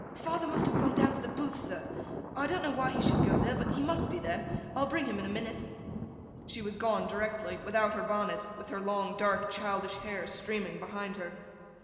'Father must have gone down to the Booth, sir. I don't know why he should go there, but he must be there; I'll bring him in a minute!' She was gone directly, without her bonnet; with her long, dark, childish hair streaming behind her.